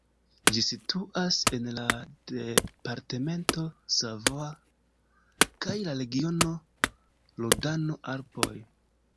Ĝi situas en la departamento Savoie kaj la regiono Rodano-Alpoj.